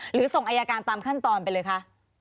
หรือส่งอายการตามขั้นตอนไปเลยคะ